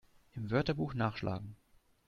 Im Wörterbuch nachschlagen!